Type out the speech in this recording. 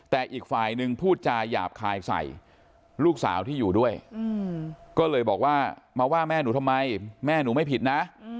แต่อีกฝ่ายนึงพูดจาหยาบคายใส่ลูกสาวที่อยู่ด้วยก็เลยบอกว่ามาว่าแม่หนูทำไมแม่หนูไม่ผิดนะ